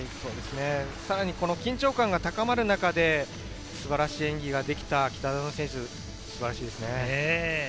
さらに緊張感が高まる中で素晴らしい演技ができた北園選手、素晴らしいですね。